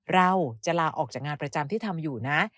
เราจะลาออกจากงานประจำที่ทำอยู่นะ